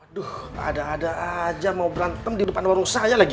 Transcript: aduh ada ada aja mau berantem di depan warung saya lagi